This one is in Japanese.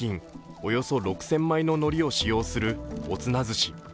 およそ６０００枚ののりを使用するおつな寿司。